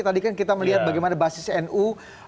tadi kan kita melihat bagaimana basis nu